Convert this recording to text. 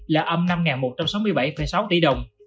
là âm năm một trăm sáu mươi bảy sáu tỷ đồng